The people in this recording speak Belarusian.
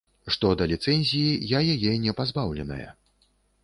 Што да ліцэнзіі, я яе не пазбаўленая.